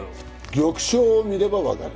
玉将を見ればわかる。